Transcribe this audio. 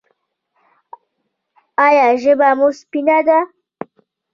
ایا ژبه مو سپینه ده؟